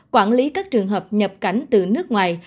quản lý các trường hợp nhập cảnh từ nước ngoài